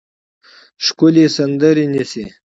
ښکلې سندرې نیسي